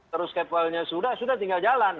terus kapalnya sudah sudah tinggal jalan